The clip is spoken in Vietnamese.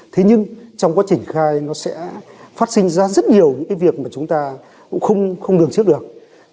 thế nhưng trong quá trình khai nó sẽ phát sinh ra rất nhiều những cái việc mà chúng ta cũng không lường trước được